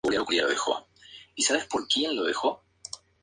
Este era el campeonato de Fórmula Renault más antiguo del continente.